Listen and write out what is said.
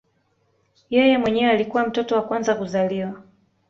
Yeye mwenyewe alikuwa mtoto wa kwanza kuzaliwa